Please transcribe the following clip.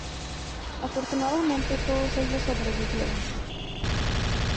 Afortunadamente, todos ellos sobrevivieron.